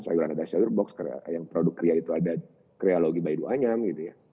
sayuran adas sayurboks yang produk kria itu ada kriologi baidu anyam gitu ya